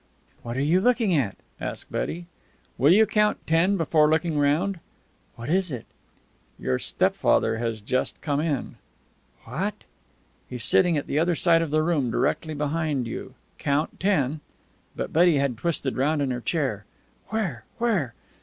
"What are you looking at?" asked Betty. "Will you count ten before looking round?" "What is it?" "Your stepfather has just come in." "What!" "He's sitting at the other side of the room, directly behind you. Count ten!" But Betty had twisted round in her chair. "Where? Where?"